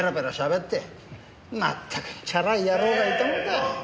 まったくチャラい野郎がいたもんだ。